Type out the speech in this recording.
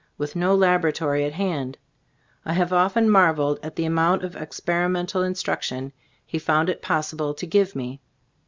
With no laboratory at hand, I have often marveled at the amount of experimental instruction he found it possible to give me.